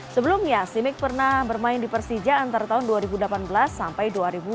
sebelumnya simic pernah bermain di persija antara tahun dua ribu delapan belas sampai dua ribu sembilan belas